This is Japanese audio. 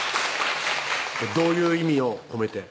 どういう意味を込めて？